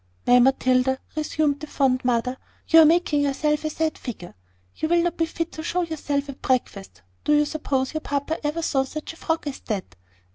"My Matilda," resumed the fond mother, "you are making yourself a sad figure. You will not be fit to show yourself at breakfast. Do you suppose your papa ever saw such a frock as that?